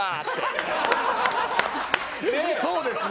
そうですね。